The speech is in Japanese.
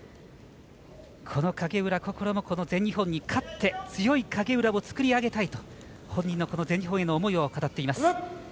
この影浦心も全日本に勝って強い影浦を作り上げたいと本人の全日本への思いを語っています。